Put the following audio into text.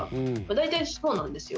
大体そうなんですよ。